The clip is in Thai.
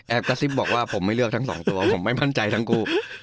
กระซิบบอกว่าผมไม่เลือกทั้งสองตัวผมไม่มั่นใจทั้งคู่